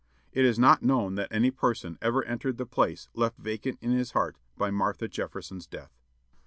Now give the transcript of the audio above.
It is not known that any person ever entered the place left vacant in his heart by Martha Jefferson's death.